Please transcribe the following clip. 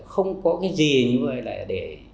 không có cái gì như vậy là để